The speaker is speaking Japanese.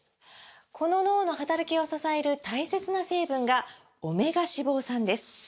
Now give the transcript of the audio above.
この脳の働きを支える大切な成分が「オメガ脂肪酸」です！